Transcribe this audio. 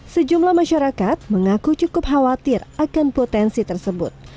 sejumlah masyarakat mengaku cukup khawatir akan potensi tersebut